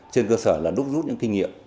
trên cơ sở là đúc rút những kinh nghiệm